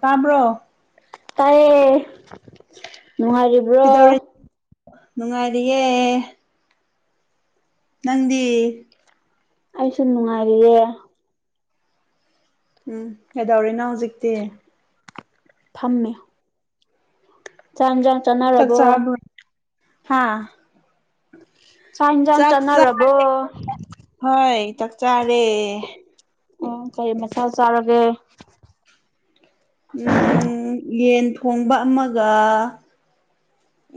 ꯇꯥꯕ꯭ꯔꯣ ꯇꯥꯏꯌꯦ ꯅꯨꯉꯥꯏꯔꯤꯕ ꯀꯩꯗꯧꯔꯤ ꯅꯨꯡꯉꯥꯏꯔꯤꯌꯦ ꯅꯪꯗꯤ ꯑꯩꯁꯨ ꯅꯨꯡꯉꯥꯏꯔꯤꯌꯦ ꯎꯝ ꯀꯩꯗꯧꯔꯤꯅꯣ ꯍꯧꯖꯤꯛꯇꯤ ꯐꯝꯃꯤ ꯆꯥꯛ ꯏꯟꯖꯥꯡ ꯆꯥꯅ ꯆꯥꯛ ꯆꯥꯕ꯭ꯔꯣ ꯍꯥꯥ [unintelligible] ꯆꯥꯛ ꯆꯥꯟꯅꯔꯕꯣ ꯆꯥꯔꯦ ꯍꯣꯏ ꯆꯥꯛ ꯆꯥꯔꯦ ꯎꯝ ꯀꯩ ꯃꯊꯦꯜ ꯆꯥꯔꯒꯦ ꯎꯝ ꯌꯦꯟ ꯊꯣꯡꯕ ꯑꯃꯒ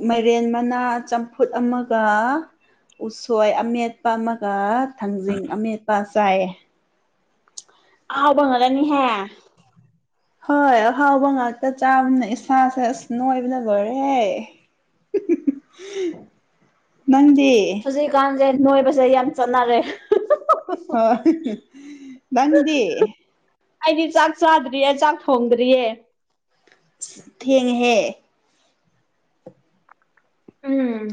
ꯃꯥꯏꯔꯦꯟ ꯃꯅꯥ ꯆꯝꯐꯨꯠ ꯑꯃꯒ ꯎꯁꯣꯏ ꯑꯃꯦꯠꯄ ꯑꯃꯒ ꯊꯥꯡꯖꯤꯡ ꯑꯃꯦꯠꯄ ꯆꯥꯏꯑꯦ ꯑꯍꯥꯎꯕ ꯉꯥꯛꯇꯅꯤ ꯍꯦ ꯍꯣꯏ ꯑꯍꯥꯎꯕ ꯉꯥꯛꯇ ꯆꯥꯕꯅꯤꯅ ꯏꯁꯥꯁꯦ ꯑꯁ ꯅꯣꯏꯕꯅ ꯂꯣꯏꯔꯦ [inaudible] [unintelligible] ꯅꯪꯗꯤ ꯀꯥꯟꯁꯦ ꯅꯣꯏꯕꯁꯦ ꯌꯥꯝ ꯆꯠꯅꯔꯦ ꯍꯣꯏ ꯅꯪꯗꯤ ꯑꯩꯗꯤ ꯆꯥꯛ ꯆꯥꯗ꯭ꯔꯤꯌꯦ ꯆꯥꯛ ꯊꯣꯡꯗ꯭ꯔꯤꯌꯦ ꯊꯦꯡꯉꯦꯍꯦ ꯎꯝ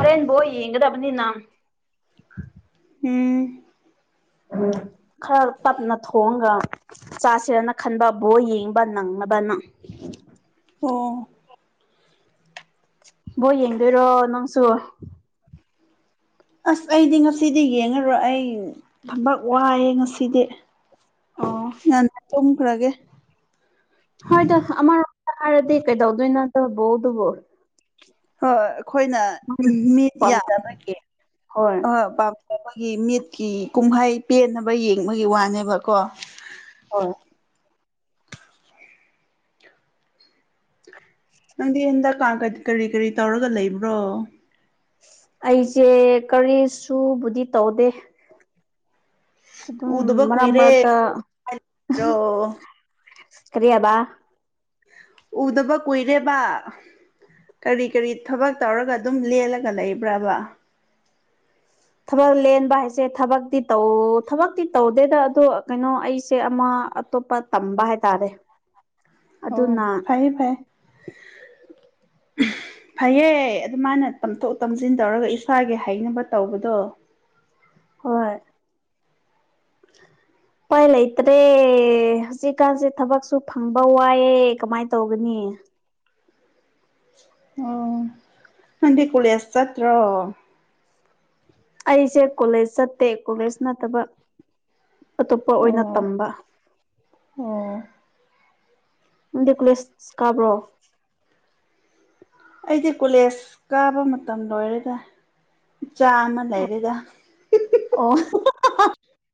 ꯍꯣꯔꯦꯟ ꯕꯣꯜ ꯌꯦꯡꯒꯗꯕꯅꯤꯅ ꯎꯝ ꯎꯝ ꯈꯔ ꯇꯞꯅ ꯊꯣꯡꯉꯒ ꯆꯥꯁꯤꯔꯅ ꯈꯟꯕ ꯕꯣꯜ ꯌꯦꯡꯕ ꯅꯪꯅꯕꯅ ꯑꯣ ꯕꯣꯜ ꯌꯦꯡꯗꯣꯏꯔꯣ ꯅꯪꯁꯨ ꯑꯁ ꯑꯩꯗꯤ ꯉꯁꯤꯗꯤ ꯌꯦꯡꯉꯔꯣꯏ ꯑꯩ ꯊꯕꯛ ꯋꯥꯏꯑꯦ ꯉꯁꯤꯗꯤ ꯑꯣ ꯉꯟꯅ ꯇꯨꯝ ꯈ꯭ꯔꯒꯦ ꯍꯣꯏꯗ ꯑꯃꯔꯣꯝꯗ ꯍꯥꯏꯔꯗꯤ ꯀꯩꯗꯧꯗꯣꯏ ꯅꯣ ꯑꯗꯨ ꯕꯣꯜꯗꯨꯕꯨ ꯍꯣꯏ ꯑꯩꯈꯣꯏꯅ ꯃꯤꯠ ꯌꯥꯝ [unintelligible] ꯄꯥꯝꯖꯕꯒꯤ ꯍꯣꯏ ꯑꯩꯈꯣꯏꯒꯤ ꯃꯤꯠꯀꯤ ꯀꯨꯝꯍꯩ ꯄꯦꯟꯅꯕ ꯌꯦꯡꯕꯒꯤ ꯋꯥꯅꯦꯕꯀꯣ ꯍꯣꯏ ꯅꯪꯗꯤ ꯍꯟꯗꯛꯥ ꯀꯔꯤ ꯀꯔꯤ ꯇꯧꯔꯒ ꯂꯩꯕ꯭ꯔꯣ ꯑꯩꯁꯦ ꯀꯔꯤꯁꯨꯕꯨꯗꯤ ꯇꯧꯗꯦ ꯑꯗꯨꯝ ꯎꯗꯕ ꯃꯔꯛ ꯃꯔꯛꯇ ꯀꯨꯏꯔꯦꯔꯣ ꯀꯔꯤ ꯍꯥꯏꯕ ꯎꯗꯕ ꯀꯨꯏꯔꯦꯕ ꯀꯔꯤ ꯀꯔꯤ ꯊꯕꯛ ꯇꯧꯔꯒ ꯑꯗꯨꯝ ꯂꯦꯜꯂꯒ ꯂꯩꯕ꯭ꯔꯕ ꯊꯕꯛ ꯂꯦꯟꯕ ꯍꯥꯏꯁꯦ ꯊꯕꯛꯇꯤ ꯇꯧ ꯊꯕꯛꯇꯤ ꯇꯧꯗꯦꯗ ꯑꯗꯣ ꯀꯩꯅꯣ ꯑꯩꯁꯦ ꯑꯃ ꯑꯇꯣꯞꯄ ꯇꯝꯕ ꯍꯥꯏꯇꯥꯔꯦ ꯑꯣ ꯑꯗꯨꯅ ꯐꯩ ꯐꯩ ꯐꯩꯌꯦ ꯑꯗꯨꯃꯥꯏꯅ ꯇꯝꯊꯣꯛ ꯇꯝꯁꯤꯟ ꯇꯧꯔꯒ ꯏꯁꯥꯒꯤ ꯍꯩꯅꯕ ꯇꯧꯕꯗꯣ ꯍꯣꯏ ꯎꯄꯥꯏ ꯂꯩꯇ꯭ꯔꯦ ꯍꯧꯖꯤꯛꯀꯥꯟꯁꯦ ꯊꯕꯛꯁꯨ ꯐꯪꯕ ꯋꯥꯏꯑꯦ ꯀꯃꯥꯏꯅ ꯇꯧꯒꯅꯤ ꯑꯣ ꯅꯪꯗꯤ ꯀꯣꯂꯦꯁ ꯆꯠꯇ꯭ꯔꯣ ꯑꯩꯁꯦ ꯀꯣꯂꯦꯖ ꯆꯠꯇꯦ ꯀꯣꯂꯦꯖ ꯅꯠꯇꯕ ꯑꯇꯣꯞꯄ ꯑꯣꯏꯅ ꯑꯣ ꯇꯝꯕ ꯑꯣ ꯗꯦꯀꯨꯂꯦꯁ ꯀꯥꯕ꯭ꯔꯣ ꯑꯩꯗꯤ ꯀꯣꯂꯦꯖ ꯀꯥꯕ ꯃꯇꯝ ꯂꯣꯏꯔꯦꯗ ꯏꯆꯥ ꯑꯃ ꯂꯩꯔꯦꯗ ꯑꯣ